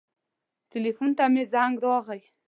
ټیلیفون ته مې زنګ راغی.